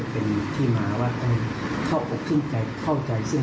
เป็นพี่อัพกรนักข่าวเขาก็เคยหวดมาแล้ว๓ครั้ง